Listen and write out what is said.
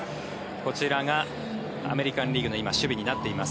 こちらがアメリカン・リーグの守備になっています。